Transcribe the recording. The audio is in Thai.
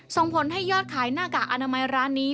ส่งผลให้ยอดขายหน้ากากอนามัยร้านนี้